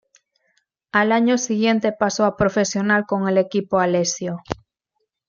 Al año siguiente pasó a profesional con el equipo Alessio.